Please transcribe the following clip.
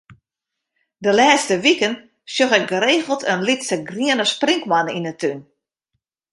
De lêste wiken sjoch ik geregeld in lytse griene sprinkhoanne yn 'e tún.